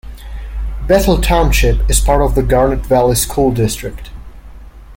Bethel Township is part of the Garnet Valley School District.